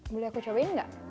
boleh aku cobain enggak